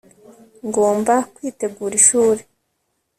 ngomba kwitegura ishuri